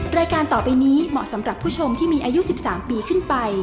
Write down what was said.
รายการต่อไปนี้เหมาะสำหรับผู้ชมที่มีอายุ๑๓ปีขึ้นไป